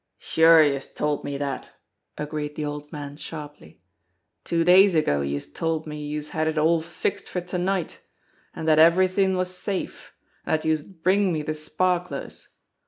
"Sure, youse told me dat," agreed the old man sharply. "Two days ago youse told me youse had it all fixed for to night, an' dat everythin' was safe, an' dat youse'd bring me JACKALS 199 de sparklers.